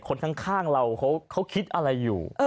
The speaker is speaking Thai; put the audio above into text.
คนข้างเราเขาคิดอะไรอยู่